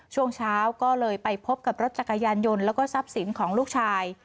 ช่วงเช้าก็เลยไปพบกับรถจักรยานยนต์แล้วก็ทรัพย์สินของลูกชาย